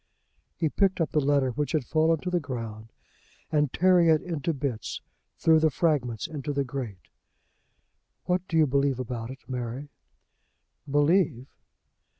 He picked up the letter, which had fallen to the ground, and, tearing it into bits, threw the fragments into the grate. "What do you believe about it, Mary?" "Believe!"